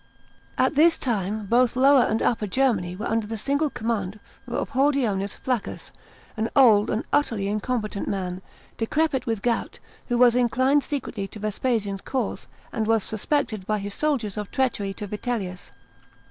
§ 3. At this time both Lower and Upper Germany were under the single command of Hordeonius Flaccus, an old and utterly incompetent man, decrepit with gout, who was inclined secretly to Vespasian's cause, and was suspected by his soldiers of treachery to Vitellius.